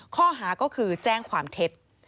ข้อหาก็คือแจ้งความเท็จ